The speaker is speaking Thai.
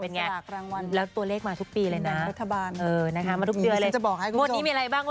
เป็นไงแล้วตัวเลขมาทุกปีเลยนะมาทุกเดือนเลยงวดนี้มีอะไรบ้าง